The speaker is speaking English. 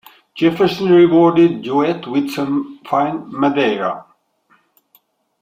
Jefferson rewarded Jouett with some fine Madeira.